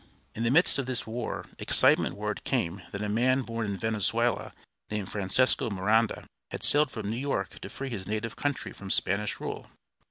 In the midst of this war excitement word came that a man born in Venezuela, named Francesco Miranda, had sailed from New York to free his native country from Spanish rule.